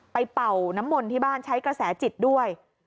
เป่าน้ำมนต์ที่บ้านใช้กระแสจิตด้วย